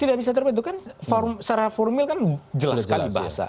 tidak bisa terbentuk kan secara formil kan jelas sekali bahasa